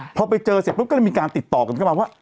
พอไปเจอเสร็จปุ๊บก็เลยมีการติดต่อกันเข้ามาว่า